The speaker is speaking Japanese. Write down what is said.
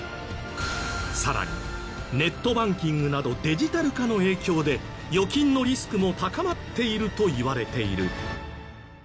さらにネットバンキングなどデジタル化の影響で預金のリスクも高まっているといわれている。